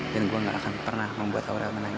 dan gue gak akan pernah membuat aurel menangis